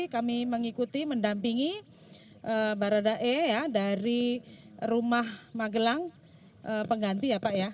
kami mengikuti mendampingi baradae ya dari rumah magelang pengganti ya pak ya